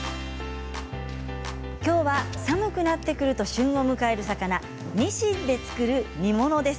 きょうは、寒くなってくると旬を迎える魚にしんで作る煮物です。